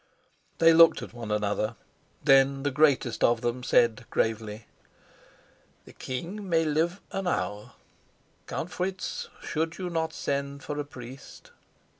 They looked at one another, then the greatest of them said gravely: "The king may live an hour, Count Fritz. Should you not send for a priest?"